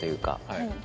はい。